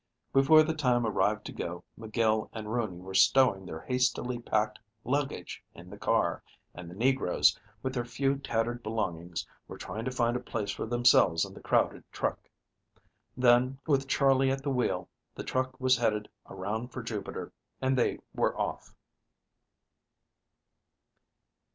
Before the time arrived to go, McGill and Rooney were stowing their hastily packed luggage in the car, and the negroes, with their few tattered belongings, were trying to find a place for themselves in the crowded truck. Then, with Charley at the wheel, the truck was headed around for Jupiter, and they were off.